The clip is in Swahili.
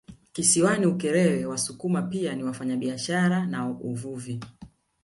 Kisiwani Ukerewe Wasukuma pia ni wafanyabiashara na uvuvi